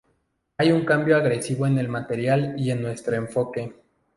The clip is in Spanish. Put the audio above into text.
Hay un cambio agresivo en el material y en nuestro enfoque.